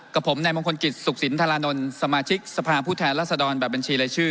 กับผมในมงคลกิจสุขสินธารานนท์สมาชิกสภาพผู้แทนรัศดรแบบบัญชีรายชื่อ